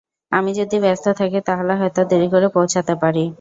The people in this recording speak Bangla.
আমি যদি ব্যস্ত থাকি তাহলে হয়ত দেরি করে পৌছাতে পারি।